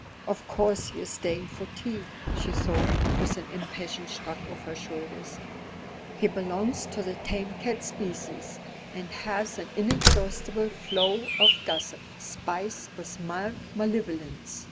"Of course he is staying for tea," she thought, with an impatient shrug of her shoulders. "He belongs to the tame cat species, and has an inexhaustible flow of gossip, spiced with mild malevolence.